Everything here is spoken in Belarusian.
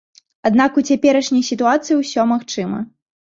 Аднак у цяперашняй сітуацыі ўсё магчыма.